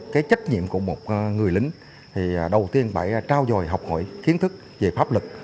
cái trách nhiệm của một người lính thì đầu tiên phải trao dồi học hỏi kiến thức về pháp lực